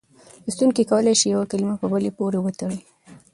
لوستونکی کولای شي چې یوه کلمه په بلې پورې وتړي.